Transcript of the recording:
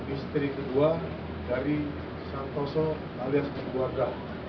istri kedua dari santoso alias keluarga